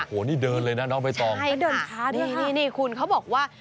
โอ้โฮนี่เดินเลยนะน้องเบ้ยตองนี่คุณเขาบอกว่า